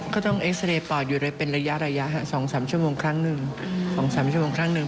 ก็ต้องเอ็กซ์เรย์ปอดอยู่ในเป็นระยะ๒๓ชั่วโมงครั้งหนึ่ง